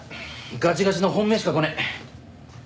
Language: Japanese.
ガチガチの本命しかこねえ。